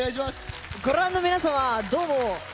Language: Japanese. ご覧の皆さま、どうも。